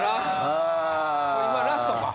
今ラストか。